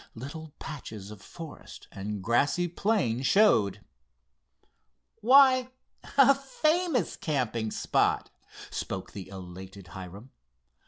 Little patches of forest and grassy plain showed. "Why, a famous camping spot," spoke the elated Hiram.